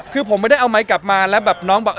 คือผมไม่ได้เอาไม้กลับมาแล้วแบบน้องบอก